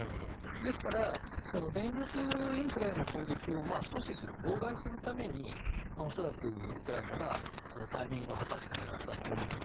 ですから電力インフラへの攻撃を阻止する、妨害するために恐らくウクライナがタイミングを計って狙ったんだろうと。